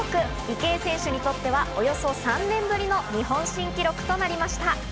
池江選手にとってはおよそ３年ぶりの日本新記録となりました。